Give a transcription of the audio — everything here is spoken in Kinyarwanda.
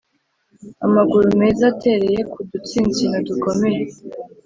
amaguru meza atereye ku dutsinsino dukomeye.